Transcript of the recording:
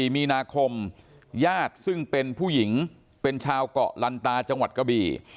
๒๔มีนาคมยาดซึ่งเป็นผู้หญิงเป็นชาวก่อลันตาจังหวัดกราบี